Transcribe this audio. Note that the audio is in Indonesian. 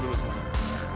ngobrol dulu semuanya